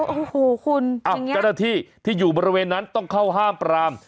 โอ้โหคุณเจ้าหน้าที่ที่อยู่บริเวณนั้นต้องเข้าห้ามปราม